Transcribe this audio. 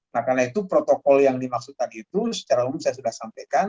nah karena itu protokol yang dimaksudkan itu secara umum saya sudah sampaikan